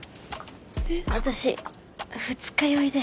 私二日酔いで。